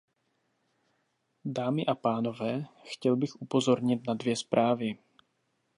Dámy a pánové, chtěl bych upozornit na dvě zprávy.